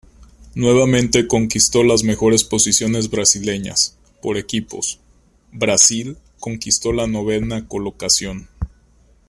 Nuevamente conquistó las mejores posiciones brasileñas: por equipos, Brasil conquistó la novena colocación.